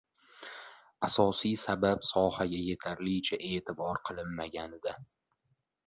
– Asosiy sabab sohaga yetarlicha e’tibor qilinmaganida.